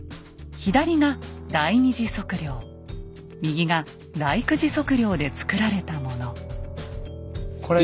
左が第２次測量右が第９次測量で作られたもの。